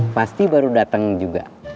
pasti baru datang juga